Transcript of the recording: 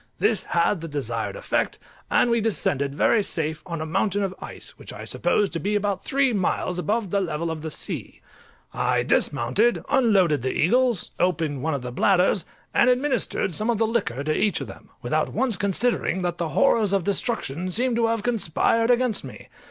This had the desired effect, and we descended very safe on a mountain of ice, which I supposed to be about three miles above the level of the sea. I dismounted, unloaded the eagles, opened one of the bladders, and administered some of the liquor to each of them, without once considering that the horrors of destruction seemed to have conspired against me.